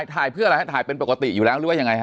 ถ่ายเพื่ออะไรฮะถ่ายเป็นปกติอยู่แล้วหรือว่ายังไงฮ